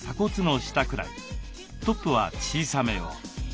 トップは小さめを。